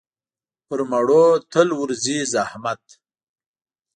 پر مړو تل ورځي زحمت.